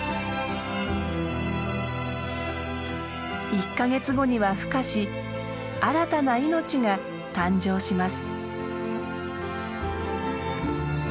１か月後にはふ化し新たな命が誕生します。